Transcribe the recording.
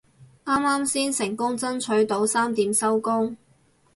啱啱先成功爭取到三點收工